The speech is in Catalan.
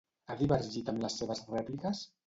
Ha divergit amb les seves rèpliques?